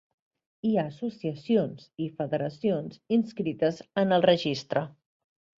Hi ha associacions i federacions inscrites en el Registre.